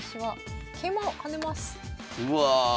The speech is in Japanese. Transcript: うわ！